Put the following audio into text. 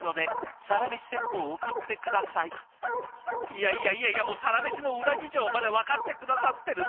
いやいやいやいや「サラメシ」の裏事情まで分かって下さってる。